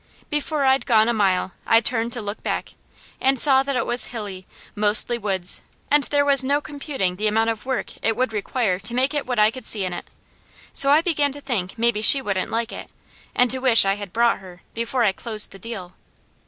Before I'd gone a mile, I turned to look back, and saw that it was hilly, mostly woods, and there was no computing the amount of work it would require to make it what I could see in it; so I began to think maybe she wouldn't like it, and to wish I had brought her, before I closed the deal.